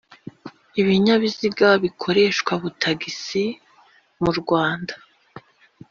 Ibinyabiziga bikoreshwa butagisi mu Rwanda